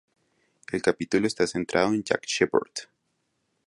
El capítulo está centrado en Jack Shephard.